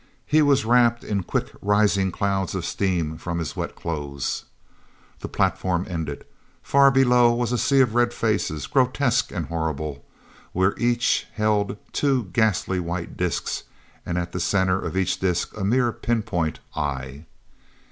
He was wrapped in quick rising clouds of steam from his wet clothes. The platform ended. Far below was a sea of red faces, grotesque and horrible, where each held two ghastly white disks, and at the center of each disk a mere pinpoint eye.